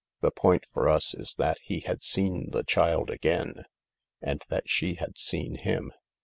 The point for us is that he had seen the child again, and that 40 THE LARK she had seen him.